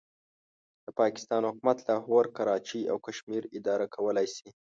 د پاکستان حکومت لاهور، کراچۍ او کشمیر اداره کولای شي.